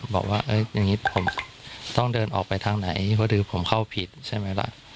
บอกว่าอย่างนี้ผมต้องเดินออกไปทางไหนเพราะถือผมเข้าผิดใช่ไหมล่ะ